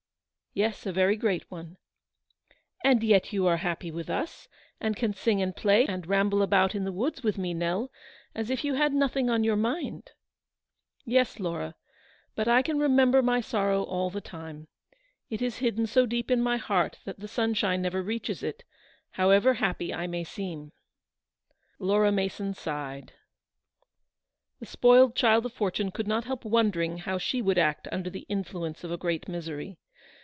" Yes, a very great one." "And yet you are happy with us, and can sing and play, and ramble about in the wo with me, Nell, as if you had nothing on \ mind." " Y.es, Laura, but I can remember my soi all the time. It is hidden so deep in my h that the sunshine never reaches it, however ha I may seem." THE PKODIGA^S RETURN. 27 7 Laura Mason sighed. The spoiled child of fortune could not help wondering how she would act under the influence of a great misery.